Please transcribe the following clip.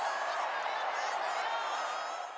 untuk rakyat itu